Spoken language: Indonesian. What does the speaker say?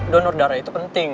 donor darah itu penting